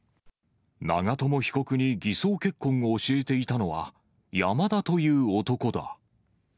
長友被告に偽装結婚を教えていたのは、山田という男だ。